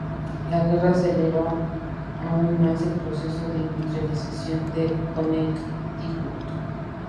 La guerra aceleró aún más el proceso de industrialización de Connecticut.